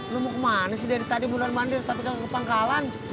lo mau kemana sih dari tadi buruan bandir tapi kagak kepangkalan